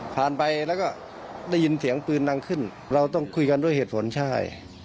ไปแล้วก็ได้ยินเสียงปืนดังขึ้นเราต้องคุยกันด้วยเหตุผลใช่